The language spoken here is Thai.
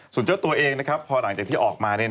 ส่วนเจ้าตัวเองพอหลังจากที่ออกมา